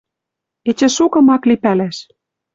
Эче шукым ак ли пӓлӓш.